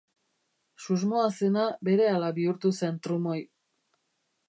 Susmoa zena berehala bihurtu zen trumoi.